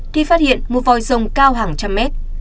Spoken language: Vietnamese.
thì phát hiện một vòi rồng cao hàng trăm mét